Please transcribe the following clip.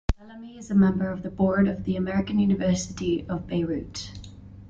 Bellamy is a member of the Board of the American University of Beirut.